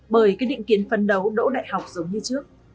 bởi cái định kiến phấn đấu đỗ đại học giống như trước